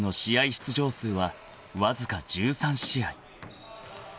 出場数はわずか１３試合］